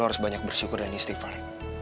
harus banyak bersyukur dan istighfar